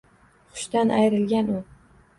Hushdan ayrilgan u